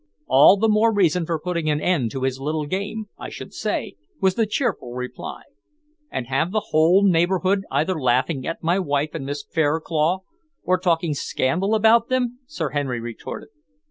"All the more reason for putting an end to his little game, I should say," was the cheerful reply. "And have the whole neighbourhood either laughing at my wife and Miss Fairclough, or talking scandal about them!" Sir Henry retorted.